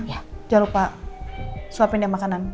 jangan lupa suapin dia makanan